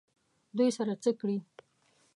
دوی سره څه کړي؟